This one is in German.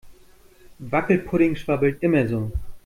Wackelpudding schwabbelt immer so.